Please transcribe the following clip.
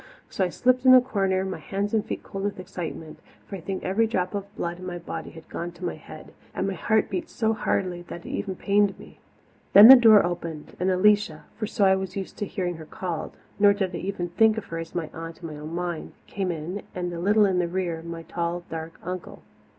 So I slipped in a corner, my hands and feet cold with excitement, for I think every drop of blood in my body had gone to my head, and my heart beat so hardly that it even pained me. Then the door opened and Alicia for so I was used to hearing her called, nor did I ever think of her as my aunt in my own mind came in, and a little in the rear my tall, dark uncle.